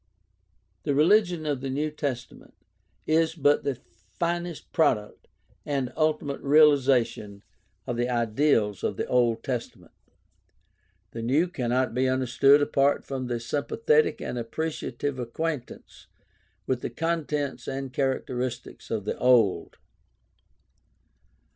The reHgion of the New Testament is but the finest product and ultimate realization of the ideals of the Old Testament. The New cannot be understood apart from a sympathetic and appreciative acquaintance with the contents and character of the Old.